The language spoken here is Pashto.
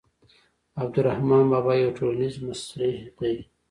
عبدالرحمان بابا یو ټولنیز مصلح دی.